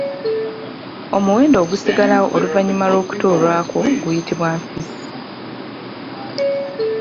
Omuwendo ogusigalawo oluvannyuma lw'okutoolwako guyitibwa nfissi.